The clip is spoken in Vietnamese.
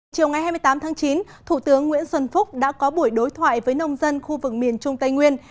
chiều ngày hai mươi tám tháng chín thủ tướng nguyễn xuân phúc đã có buổi đối thoại với nông dân khu vực miền trung tây nguyên